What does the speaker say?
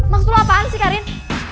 maksud lo apaan sih karin